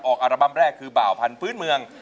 อัลบั้มแรกคือบ่าวพันธุ์เมือง